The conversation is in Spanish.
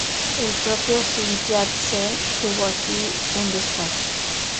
El propio Sun Yat-sen tuvo aquí un despacho.